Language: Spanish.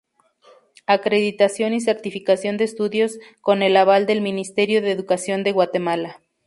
Acreditación y certificación de estudios con el aval del Ministerio de Educación de Guatemala.